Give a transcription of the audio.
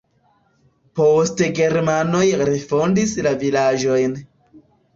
Poste germanoj refondis la vilaĝojn.